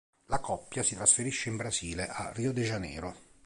La coppia si trasferisce in Brasile, a Rio de Janeiro.